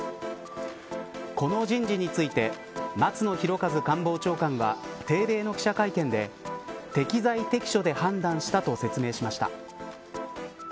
この人事について松野博一官房長官は定例の記者会見で適材適所で判断したと説明しました。